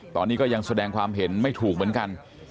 ตอนนี้ก็ยังแสดงความเห็นไม่ถูกเหมือนกัน